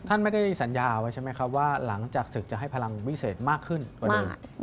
ท่านไม่ได้สัญญาว่าหลังจากศึกจะให้พลังวิเศษมากขึ้นกว่าเดิม